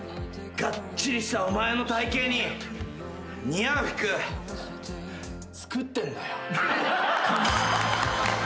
がっちりしたお前の体形に似合う服作ってんだよ。